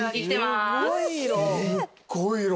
すっごい色。